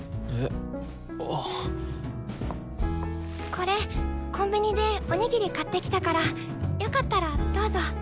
これコンビニでおにぎり買ってきたからよかったらどうぞ！